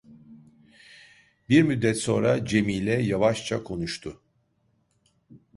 Bir müddet sonra Cemile yavaşça konuştu.